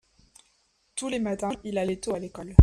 tous les matins il allait tôt à l'école.